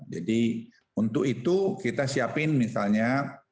jadi untuk itu kita siapkan misalnya